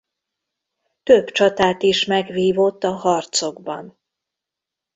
Több csatát is megvívott a harcokban.